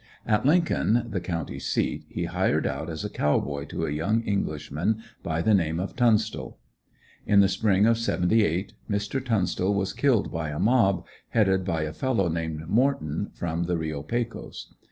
At Lincoln, the county seat, he hired out as a cow boy to a young Englishman by the name of Tunstall. In the spring of '78 Mr. Tunstall was killed by a mob, headed by a fellow named Morton, from the Reo Pecos.